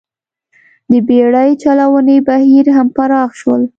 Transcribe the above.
د بېړۍ چلونې بهیر هم پراخ شول.